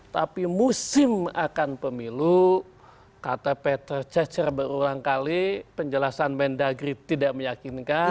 tapi musim akan pemilu kata peter cecer berulang kali penjelasan mendagri tidak meyakinkan